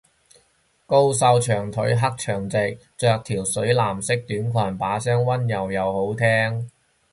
高瘦長腿黑長直，着條水藍色短裙，把聲溫柔又好聽